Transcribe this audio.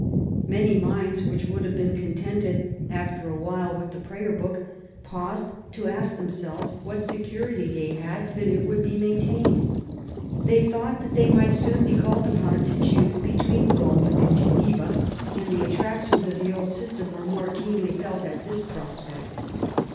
Many minds, which would have been contented after a while with the Prayer Book, paused to ask themselves what security they had that it would be maintained. They thought that they might soon be called upon to choose between Rome and Geneva, and the attractions of the old system were more keenly felt at this prospect.